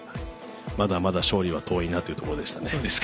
まだまだ勝利は遠いなというところでしたね。